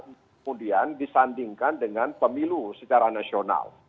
kemudian disandingkan dengan pemilu secara nasional